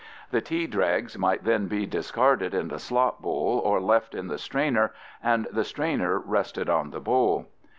The tea dregs might then be discarded in the slop bowl or left in the strainer and the strainer rested on the bowl.